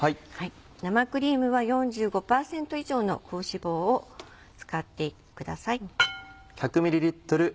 生クリームは４５％以上の高脂肪を使ってください。